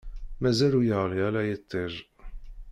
Mazal ur yeɣli ara yiṭij.